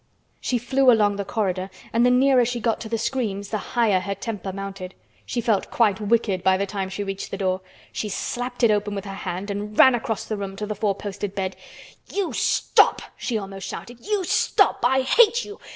She flew along the corridor and the nearer she got to the screams the higher her temper mounted. She felt quite wicked by the time she reached the door. She slapped it open with her hand and ran across the room to the four posted bed. "You stop!" she almost shouted. "You stop! I hate you!